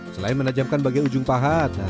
selain menajamkan bagai ujung pahat